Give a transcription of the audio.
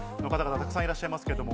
たくさんいらっしゃいますけども。